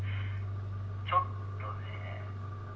「ちょっとね」